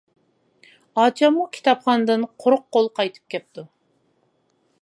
ئاچاممۇ كىتابخانىدىن قۇرۇق قول قايتىپ كەپتۇ.